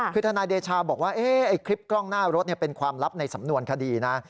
คือทนายเดชาบอกว่าคลิปกล้องหน้ารถเป็นความลับในสำนวนคดีนะ